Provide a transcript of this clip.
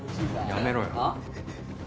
やめろよ。